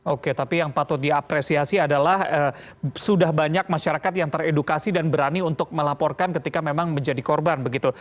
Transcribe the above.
oke tapi yang patut diapresiasi adalah sudah banyak masyarakat yang teredukasi dan berani untuk melaporkan ketika memang menjadi korban begitu